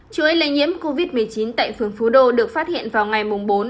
chuối lây nhiễm covid một mươi chín tại phường phố đô được phát hiện vào ngày bốn năm một mươi một